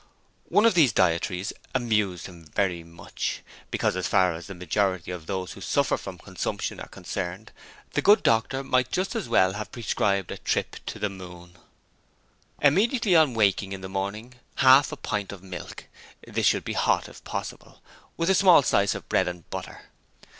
One of these dietaries amused him very much, because as far as the majority of those who suffer from consumption are concerned, the good doctor might just as well have prescribed a trip to the moon: 'Immediately on waking in the morning, half a pint of milk this should be hot, if possible with a small slice of bread and butter.